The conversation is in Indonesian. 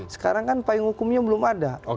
sekarang kan payung hukumnya belum ada